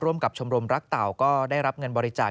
กับชมรมรักเต่าก็ได้รับเงินบริจาค